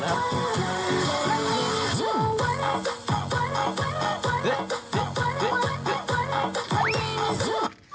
เอ๊ะ